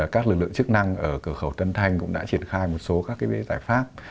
các lực lượng chức năng ở cửa khẩu tân thanh cũng đã triển khai một số giải pháp